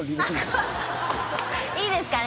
いいですかね。